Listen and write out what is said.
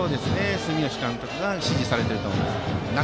住吉監督が指示されていると思います。